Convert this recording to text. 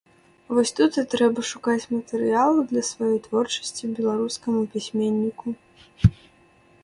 Вось тут і трэба шукаць матэрыялу для сваёй творчасці беларускаму пісьменніку.